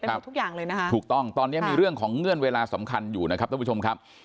หมดทุกอย่างเลยนะคะถูกต้องตอนนี้มีเรื่องของเงื่อนเวลาสำคัญอยู่นะครับท่านผู้ชมครับ